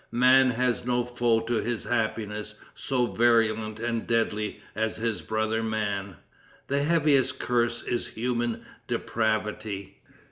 Man has no foe to his happiness so virulent and deadly as his brother man. The heaviest curse is human depravity.